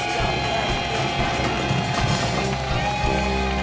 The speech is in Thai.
สวัสดีค่า